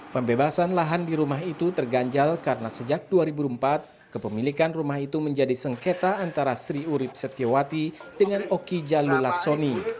pembebasan lahan di rumah itu terganjal karena sejak dua ribu empat kepemilikan rumah itu menjadi sengketa antara sri urib setiawati dengan oki jalul laksoni